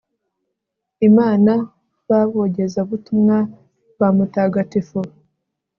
imana b abogezabutumwa ba mutagatifu